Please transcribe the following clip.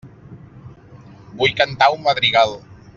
Vull cantar un madrigal.